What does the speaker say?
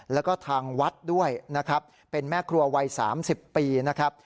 แล้วก็ทางวัดด้วยนะครับเป็นแม่ครัววัย๓๐ปีนะครับ